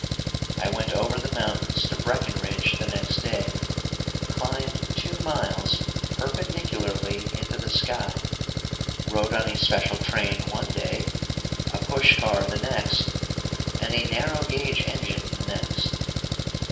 I went over the mountains to Breckenridge the next day, climbed two miles perpendicularly into the sky, rode on a special train one day, a push car the next and a narrow gauge engine the next.